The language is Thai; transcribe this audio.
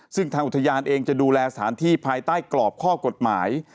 ซึ่งทางอุทยานเองจะดูแลสถานที่ภายใต้กรอบข้อกฎหมาย